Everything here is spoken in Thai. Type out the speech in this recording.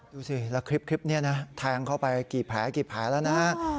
ดูสิแล้วคลิปนี่นะแทงเข้าไปกี่แผลแล้วนะ